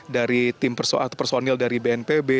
dari personil dari bnpb